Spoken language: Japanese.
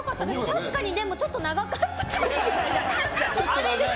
確かにちょっと長かったかな。